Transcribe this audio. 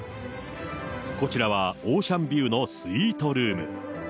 こちらはオーシャンビューのスイートルーム。